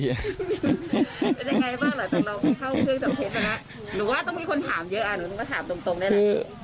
หนูว่าต้องมีคนถามเยอะหนูถามตรงได้หรอ